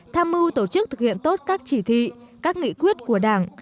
tham mưu tổ chức thực hiện tốt các chỉ thị các nghị quyết của đảng